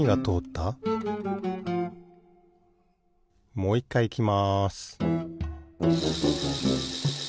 もういっかいいきます